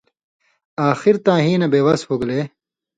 آخر تاں ہِی نہ بے وَس ہُوگلے